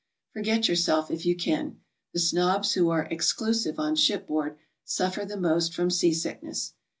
Forget yourself if you can. The snobs who are "exclusive" on shipboard suffer the most from seasickness.